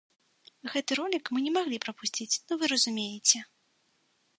Гэты ролік мы не маглі прапусціць, ну вы разумееце!